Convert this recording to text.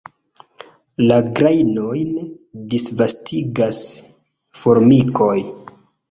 La grajnojn disvastigas formikoj.